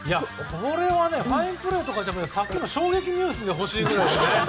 これはファインプレーとかじゃなくてさっきの衝撃ニュースで欲しいくらい。